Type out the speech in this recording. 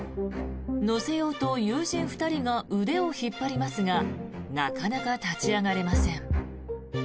乗せようと友人２人が腕を引っ張りますがなかなか立ち上がれません。